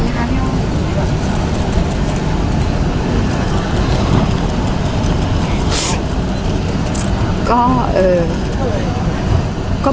ภาษาสนิทยาลัยสุดท้าย